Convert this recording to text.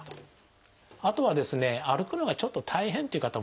あとはですね歩くのがちょっと大変っていう方もね